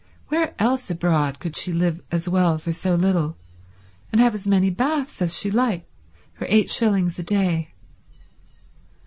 Where else abroad could she live as well for so little, and have as many baths as she like, for eight shillings a day?